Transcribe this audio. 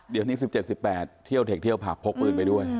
เดี๋ยวนี้๑๗๑๘เที่ยวเทคเที่ยวผับพกปืนไปด้วย